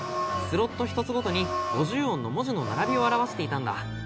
スロット１つごとに５０音の文字の並びを表していたんだ。